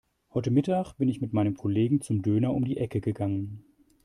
Heute Mittag bin ich mit meinen Kollegen zum Döner um die Ecke gegangen.